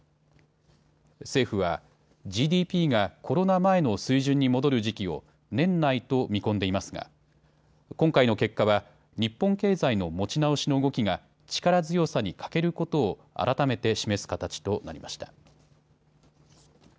政府はＧＤＰがコロナ前の水準に戻る時期を年内と見込んでいますが今回の結果は日本経済の持ち直しの動きが力強さに欠けることを改めて示す形となりました。